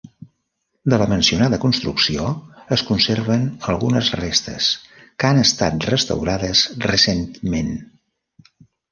De la mencionada construcció es conserven algunes restes, que han estat restaurades recentment.